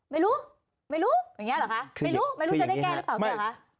ไม่รู้ไม่รู้ไม่รู้จะได้แก้หรือเปล่า